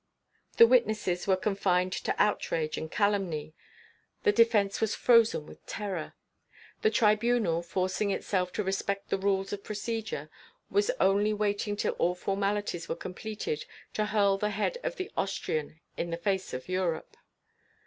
The witnesses were confined to outrage and calumny; the defence was frozen with terror. The tribunal, forcing itself to respect the rules of procedure, was only waiting till all formalities were completed to hurl the head of the Austrian in the face of Europe.